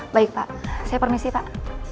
baik pak saya permisi pak